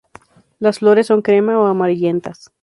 Las flores son crema o amarillentas.